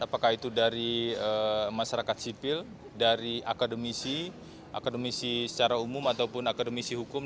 apakah itu dari masyarakat sipil dari akademisi akademisi secara umum ataupun akademisi hukum